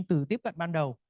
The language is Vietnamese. từ tiếp cận ban đầu